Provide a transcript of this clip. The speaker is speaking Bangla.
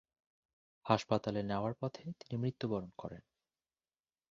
হাসপাতালে নেওয়ার পথে তিনি মৃত্যুবরণ করেন।